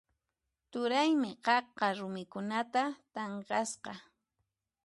Turaymi qaqa rumikunata tanqasqa.